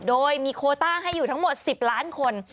โดยมีโคต้าให้อยู่ทั้งหมด๑๐ล้านคน